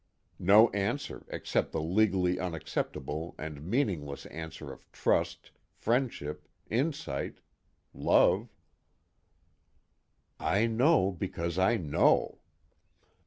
_ No answer except the legally unacceptable and meaningless answer of trust, friendship, insight, love: _I know because I know.